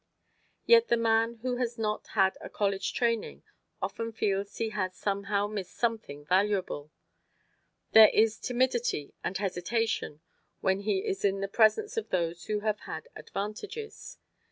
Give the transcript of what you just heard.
Yet the man who has not had a college training often feels he has somehow missed something valuable: there is timidity and hesitation when he is in the presence of those who have had "advantages."